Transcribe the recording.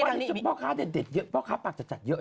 ทุกบาทปาวค้าเด็ดเด็ดเยอะ